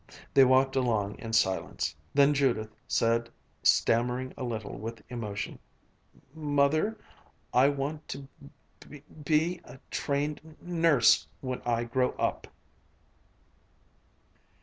They walked along in silence. Then Judith said, stammering a little with emotion, "M M Mother, I want to b b b be a trained n n nurse when I grow up."